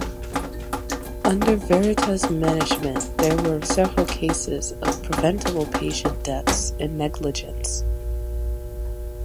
Under Veritas management there were several cases of preventable patient deaths and negligence.